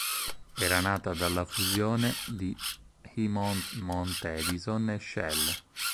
Era nata dalla fusione di Himont-Montedison e Shell.